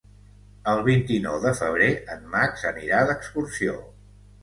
El vint-i-nou de febrer en Max anirà d'excursió.